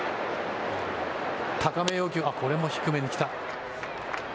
高め要求、これも低めに来た。